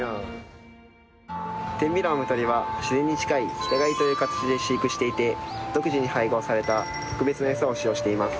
天美卵を産む鶏は自然に近い平飼いという形で飼育していて独自に配合された特別な餌を使用しています。